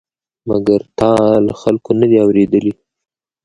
مګر تا له خلکو نه دي اورېدلي؟